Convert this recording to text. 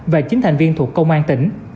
và chín thành viên thuộc công an tỉnh